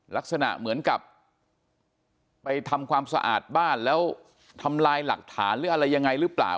ลักษณะเหมือนกับไปทำความสะอาดบ้านแล้วทำลายหลักฐานหรืออะไรยังไงหรือเปล่า